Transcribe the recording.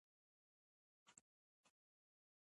تاج د دغه فلم مرکزي کردار دے.